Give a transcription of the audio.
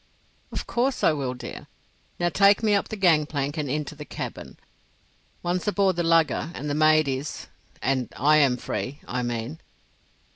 "Of course I will, dear. Now take me up the gang plank and into the cabin. Once aboard the lugger and the maid is—and I am free, I mean."